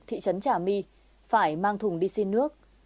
thị trấn trà my phải mang thùng đi xin nước